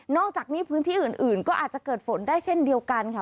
อกจากนี้พื้นที่อื่นก็อาจจะเกิดฝนได้เช่นเดียวกันค่ะ